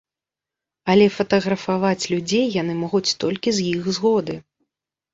Але фатаграфаваць людзей яны могуць толькі з іх згоды.